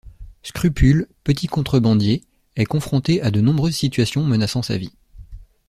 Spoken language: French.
Scrupule, petit contrebandier, est confronté à de nombreuses situations menaçant sa vie.